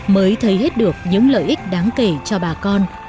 mới thấy hết được những lợi ích đáng kể cho bà con